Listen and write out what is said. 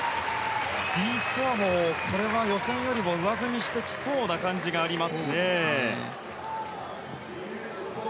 Ｄスコアもこれは予想よりも上積みしてきそうな感じがありますね。